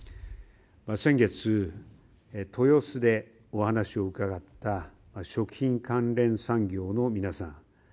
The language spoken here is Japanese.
先月、豊洲でお話を伺った食品関連産業の皆さん。